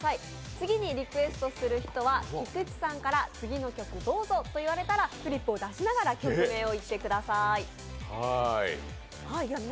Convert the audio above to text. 次にリクエストする人は菊池さんから次の曲どうぞと言われたらフリップを出しながら曲名を言ってください。